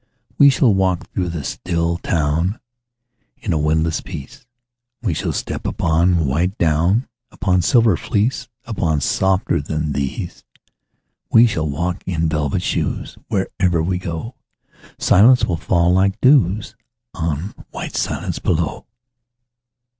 We shall walk through the still town In a windless peace; We shall step upon white down, Upon silver fleece, Upon softer than these. We shall walk in velvet shoes: Wherever we go Silence will fall like dews On white silence below.